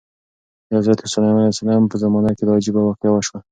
د حضرت سلیمان علیه السلام په زمانه کې دا عجیبه واقعه وشوه.